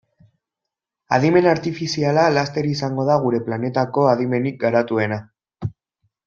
Adimen artifiziala laster izango da gure planetako adimenik garatuena.